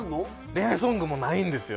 恋愛ソングもないんですよ